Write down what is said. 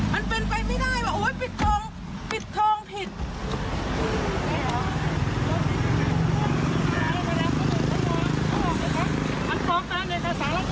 มันเป็นไปไม่ได้ว่าโอ๊ยปิดทองปิดทองผิด